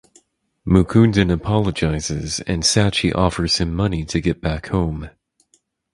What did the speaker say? Mukundan apologizes and Sachi offers him money to get back home.